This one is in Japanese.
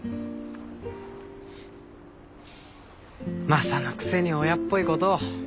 マサのくせに親っぽいことを。